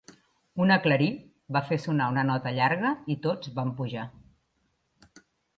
Una clarí va fer sonar una nota llarga i tots van pujar.